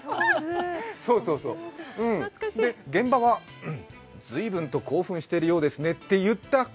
で、現場は随分と興奮しているようですねって言って。